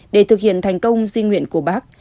để thực hiện thành công di nguyện của bác